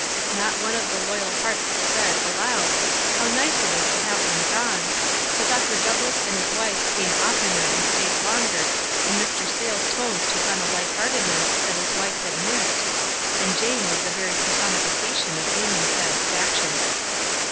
Not one of the loyal hearts said, aloud, " How nice it is to have them gone," but Dr. Douglass and his wife came oftener and stayed longer, and Mr. Sayles' tones took on a light heartedness that his wife had missed, and Jane was the very personification of beaming satisfaction.